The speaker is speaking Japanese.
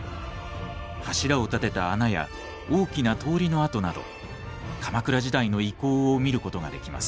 柱を立てた穴や大きな通りの跡など鎌倉時代の遺構を見ることができます。